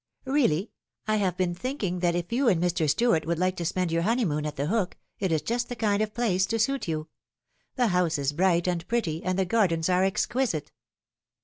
" Really ! I have been thinking that if you and Mr. Stuart would like to spend your honeymoon at The Hook it is just the kind of place to suit you. The house is bright and pretty, and the gardens are exquisite."